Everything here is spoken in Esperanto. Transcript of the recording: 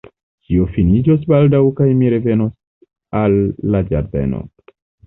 Ĉio finiĝos baldaŭ kaj mi revenos al la Ĝardeno.